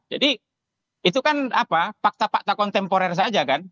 jadi itu kan apa fakta fakta kontemporer saja kan